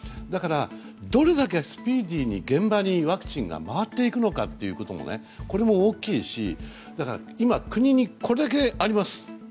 だから、どれだけスピーディーに現場にワクチンが回っていくのかも大きいし今、国にこれだけあります。